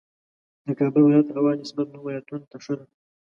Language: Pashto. د کابل ولایت هوا نسبت نورو ولایتونو ته ښه ده